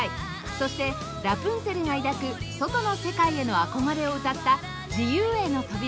そしてラプンツェルが抱く外の世界への憧れを歌った『自由への扉』